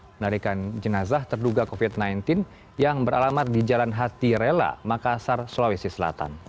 menarikan jenazah terduga covid sembilan belas yang beralamat di jalan hati rela makassar sulawesi selatan